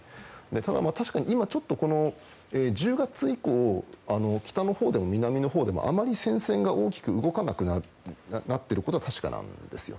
ただ、確かに今ちょっと１０月以降、北のほうでも南のほうでもあまり戦線が大きく動かなくなってることは確かなんですよ。